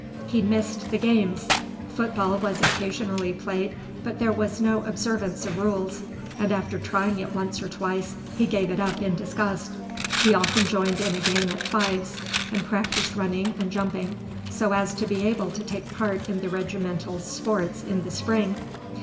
He missed the games. Football was occasionally played, but there was no observance of rules, and after trying it once or twice he gave it up in disgust. He often joined in a game at fives, and practised running and jumping, so as to be able to take part in the regimental sports in the spring.